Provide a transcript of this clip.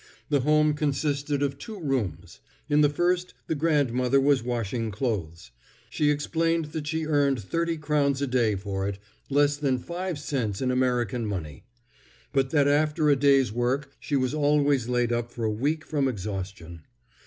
The home consisted of two rooms. In the first the grandmother was washing clothes. She explained that she earned thirty crowns a day for it—less than five cents in American money; but that after a day's work she was always laid up for a week from exhaustion.